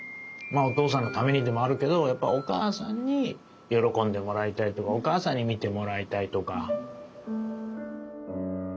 まあお父さんのためにでもあるけどやっぱお母さんに喜んでもらいたいとかお母さんに見てもらいたいとか。